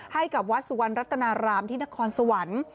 ให้กับวัดสุวรรณรัตนารามที่นครสวรรค์